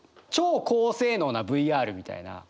超高性能なＶＲみたいな。